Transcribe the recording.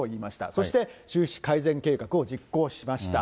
そして収支改善計画を実行しました。